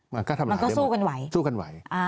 มันก็สู้กันไหว